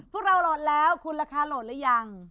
พวกเราโหลดแล้วคุณราคาโหลดหรือยัง